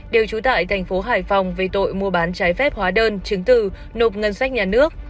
đều trú tại thành phố hải phòng về tội mua bán trái phép hóa đơn chứng từ nộp ngân sách nhà nước